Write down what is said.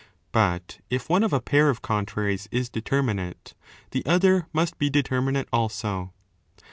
But if one of a pair 10 of contraries is determinate, the other must be determinate also.